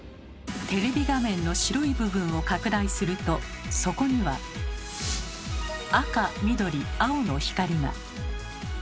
テレビ画面の白い部分を拡大するとそこには赤緑青の光が。